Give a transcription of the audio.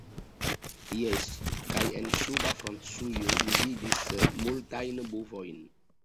Jes, kaj en suda Francujo mi vidis multajn bovojn..